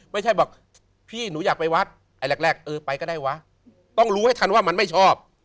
ไม่ใช่บอกพี่หนูอยากไปวัดไอ้แรกเออไปก็ได้วะต้องรู้ให้ทันว่ามันไม่ชอบ